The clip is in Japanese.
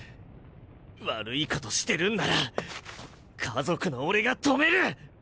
悪いことしてるんなら家族の俺が止める！